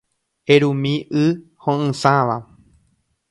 Erumi y ho’ysãva.